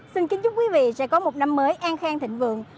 xin kính chúc quý vị sẽ có một năm mới an khang thịnh vượng